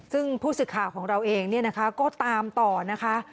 ซึ่งผู้ศึกข่าวของเราเองก็ตามต่อนะคะ